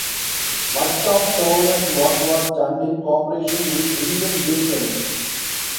Much of Turner's work was done in co-operation with William J. Clench.